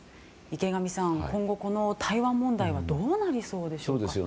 池上さん、今後この台湾問題はどうなりそうですか。